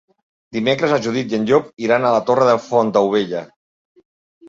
Dimecres na Judit i en Llop iran a la Torre de Fontaubella.